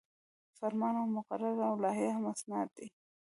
فرمان او مقرره او لایحه هم اسناد دي.